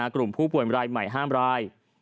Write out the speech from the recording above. กลุ่มผู้ป่วยรายใหม่๕ราย